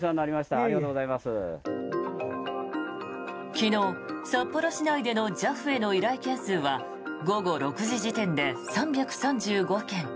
昨日、札幌市内でのＪＡＦへの依頼件数は午後６時時点で３３５件。